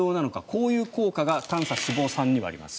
こういう効果が短鎖脂肪酸にはあります。